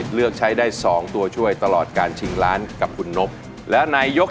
เพลงนี้ชื่อเพลงอะไรคะ